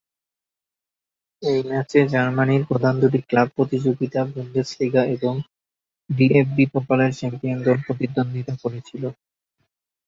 এই ম্যাচে জার্মানির প্রধান দুটি ক্লাব প্রতিযোগিতা, বুন্দেসলিগা এবং ডিএফবি-পোকালের চ্যাম্পিয়ন দল প্রতিদ্বন্দ্বিতা করেছিল।